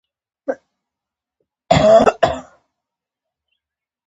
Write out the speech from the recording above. چی نوم یی وی شړي ، څه پریکړه ځه نري .